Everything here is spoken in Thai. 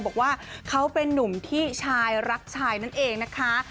บอกว่าเขาเป็นนุ่มที่ชายรักชายนั่นเองนะคะ